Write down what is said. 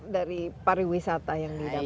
dari pariwisata yang didapatkan